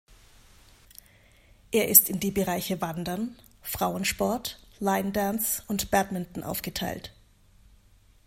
Er ist in die Bereiche Wandern, Frauensport, Line-Dance und Badminton aufgeteilt.